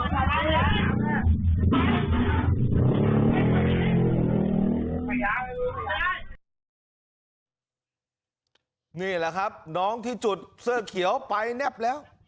นี่แหละครับน้องที่จุดเสื้อเขียวไปแนบแล้ว